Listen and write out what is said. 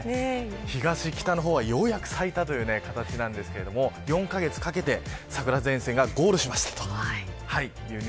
東、北の方は、ようやく咲いたという形ですが４カ月かけて桜前線がゴールしました。